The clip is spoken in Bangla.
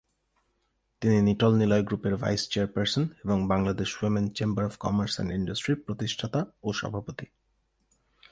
তিনি নিটল-নিলয় গ্রুপের ভাইস চেয়ারপার্সন এবং Bangladesh women chamber of commerce and ইন্ড্রাস্ট্রি’র প্রতিষ্ঠাতা ও সভাপতি।